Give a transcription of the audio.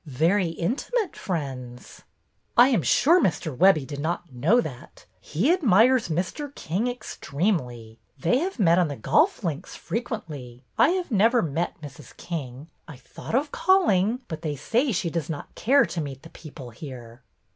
" Very intimate friends." " I am sure Mr. Webbie did not know that. He admires Mr. King extremely. They have met IN THE TEA ROOM 227 on the golf links frequently. I have never met Mrs. King. I thought of calling, but they say she does not care to meet the people here.